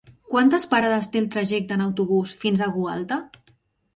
Quantes parades té el trajecte en autobús fins a Gualta?